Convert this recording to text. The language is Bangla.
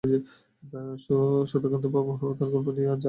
সুধাকান্তবাবু এবং তার গল্প নিয়ে যে এত কিছু লেখা যায় কে জানত।